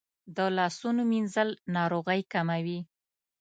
د لاسونو مینځل ناروغۍ کموي.